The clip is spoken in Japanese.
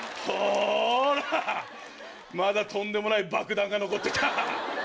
ほらまだとんでもない爆弾が残ってた。